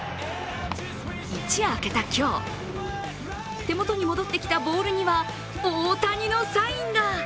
一夜明けた今日、手元に戻ってきたボールには大谷のサインが。